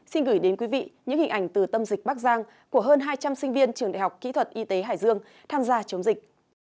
xin gửi đến quý vị những hình ảnh từ tâm dịch bắc giang của hơn hai trăm linh sinh viên trường đại học kỹ thuật y tế hải dương tham gia chống dịch